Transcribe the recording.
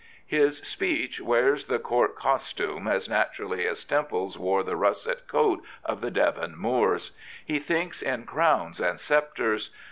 His speech wears the Court costume as naturally as Temple's wore the russet coat of the Devon moors. He thinks in crowns and sceptres.